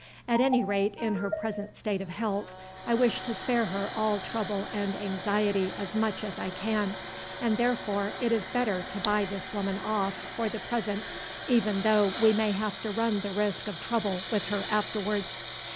At any rate in her present state of health I wish to spare her all trouble and anxiety as much as I can, and therefore it is better to buy this woman off for the present, even though we may have to run the risk of trouble with her afterwards.